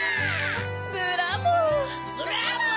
ブラボー！